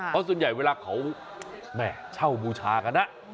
เพราะส่วนใหญ่เวลาเขาเช่าบูชากันนะ